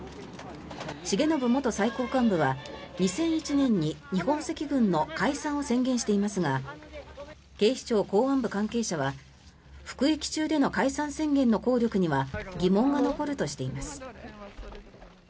重信元最高幹部は２００１年に日本赤軍の解散を宣言していますが警視庁公安部関係者は服役中での解散宣言の効力には疑問が残るとしています。